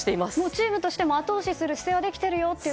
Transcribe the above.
チームとしても後押しする姿勢はできていると。